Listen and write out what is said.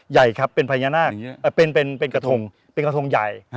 ใหญ่ครับเป็นกระทงใหญ่